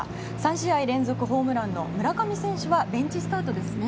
３試合連続ホームランの村上選手はベンチスタートですね。